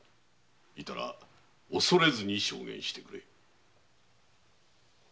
いたら恐れずに証言してくれ。